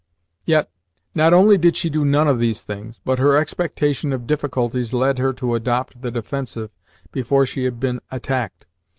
Yet, not only did she do none of these things, but her expectation of difficulties led her to adopt the defensive before she had been attacked.